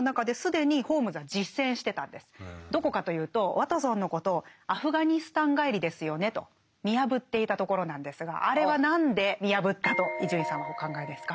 どこかというとワトソンのことを「アフガニスタン帰りですよね」と見破っていたところなんですがあれは何で見破ったと伊集院さんはお考えですか？